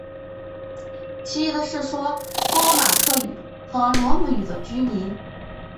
其余的是说波马克语和罗姆语的居民。